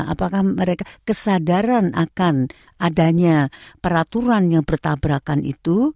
apakah mereka kesadaran akan adanya peraturan yang bertabrakan itu